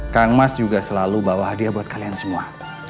kang mas juga selalu bawa hadiah buat kalian semua